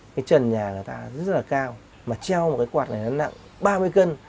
giá rất là cao mà treo một cái quạt này nó nặng ba mươi cân